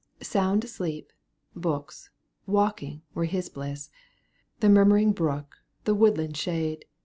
Sound sleep, books, walking, were his bliss, The murmuring brook, the woodland shade.